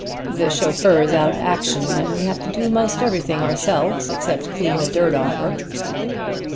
The chauffeur is out of action, and we have to do 'most everything ourselves except clean the dirt off her."